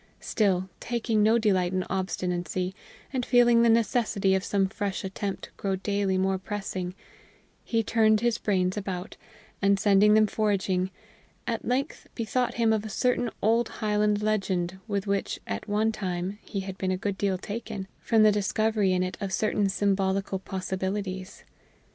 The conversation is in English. Still, taking no delight in obstinacy, and feeling the necessity of some fresh attempt grow daily more pressing, he turned his brains about, and sending them foraging, at length bethought him of a certain old Highland legend with which at one time he had been a good deal taken, from the discovery in it of certain symbolical possibilities.